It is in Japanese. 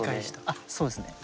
あっそうですね。